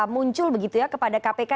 muncul begitu ya kepada kpk